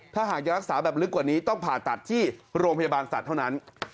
ถ้าหากจะรักษาแบบลึกกว่านี้ต้องผ่าตัดที่โรงพยาบาลสัตว์เท่านั้น